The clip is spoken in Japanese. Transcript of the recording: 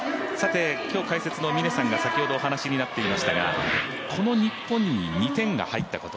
今日、解説の峰さんが先ほどお話しになっていましたがこの日本に２点が入ったこと。